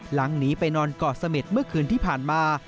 หนีไปนอนเกาะเสม็ดเมื่อคืนที่ผ่านมา